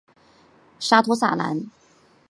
沙托萨兰。